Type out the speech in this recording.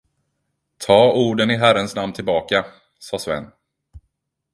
Tag orden i Herrans namn tillbaka. sade Sven.